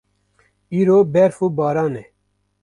Îro berf û baran e.